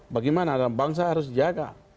bagaimana anak bangsa harus jaga